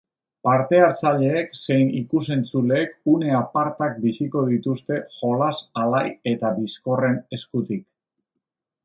Parte-hartzaileek zein ikus-entzuleek une apartak biziko dituzte jolas alai eta bizkorren eskutik.